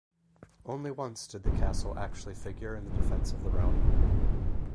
Only once did the castle actually figure in the defence of the realm.